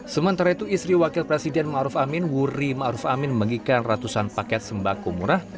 sementara itu istri wakil presiden ma ruf amin wuri ma ruf amin mengikar ratusan paket sembako murah